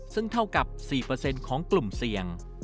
ซึ่งเท่ากับ๔ของกลุ่มเสี่ยง